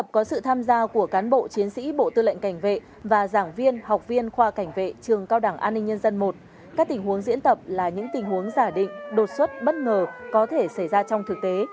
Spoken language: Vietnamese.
bộ tư lệnh cảnh vệ và giảng viên học viên khoa cảnh vệ trường cao đảng an ninh nhân dân một các tình huống diễn tập là những tình huống giả định đột xuất bất ngờ có thể xảy ra trong thực tế